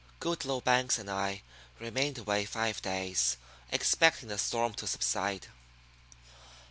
Goodloe Banks and I remained away five days, expecting the storm to subside.